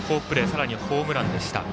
さらにホームランでした。